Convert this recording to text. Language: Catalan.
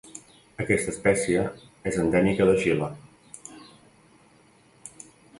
Aquesta espècie és endèmica del Xile.